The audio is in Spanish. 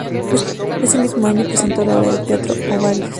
Ese mismo año presentó la obra de teatro "Ovarios".